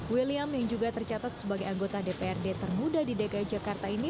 william yang juga tercatat sebagai anggota dprd termuda di dki jakarta ini